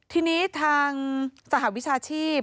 ทีนี้ทางสหวิชาชีพ